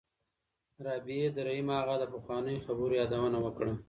رابعې د رحیم اغا د پخوانیو خبرو یادونه وکړه.